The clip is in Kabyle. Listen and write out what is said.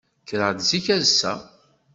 Kkreɣ-d zik ass-a.